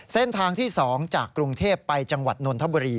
เส้นทางที่๒จากกรุงเทพไปจังหวัดนนทบุรี